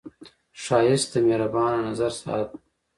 ښایست د مهربان نظر ساه ده